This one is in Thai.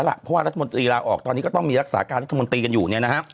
เพราะว่ารัฐมนตรีลาออกตอนนี้ก็ต้องมีรักษาการรัฐมนตรีกันอยู่